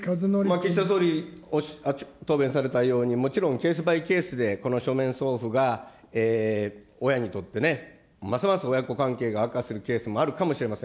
岸田総理、答弁されたように、もちろんケースバイケースで、この書面送付が親にとってね、ますます親子関係が悪化するケースもあるかもしれません。